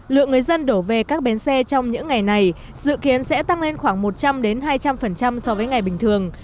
lượng người dân đổ về các bến xe trong những ngày này dự kiến sẽ tăng lên khoảng một trăm linh hai trăm linh so với ngày bình thường